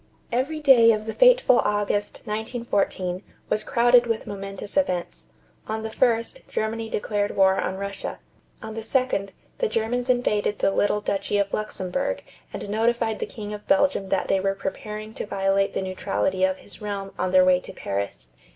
Every day of the fateful August, 1914, was crowded with momentous events. On the 1st, Germany declared war on Russia. On the 2d, the Germans invaded the little duchy of Luxemburg and notified the King of Belgium that they were preparing to violate the neutrality of his realm on their way to Paris.